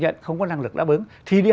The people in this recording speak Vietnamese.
nhận không có năng lực đá bướng thì đi